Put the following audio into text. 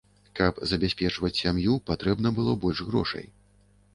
Каб забяспечваць сям'ю, патрэбна было больш грошай.